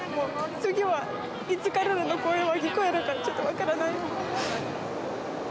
次はいつ彼らの声が聞こえるか、ちょっと分からないので。